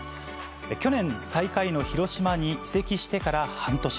去年最下位の広島に移籍してから半年。